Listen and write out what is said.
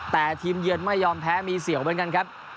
แต่ทีมเยือนไม่ยอมแพ้มีเสี่ยวเหมือนกันครับ